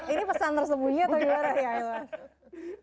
ini pesan tersembunyi atau gimana ya allah